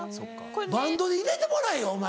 バンドに入れてもらえよお前